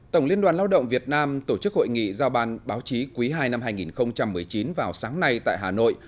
tổng liên đoàn lao động việt nam tổ chức hội nghị giao ban báo chí quý ii năm hai nghìn một mươi chín vào sáng nay tại hà nội